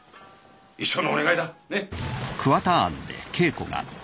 一生のお願いだねっ？